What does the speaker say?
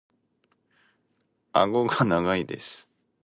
顎が長いです。